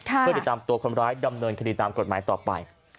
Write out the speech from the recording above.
เพื่อติดตามตัวคนร้ายดำเนินคดีตามกฎหมายต่อไป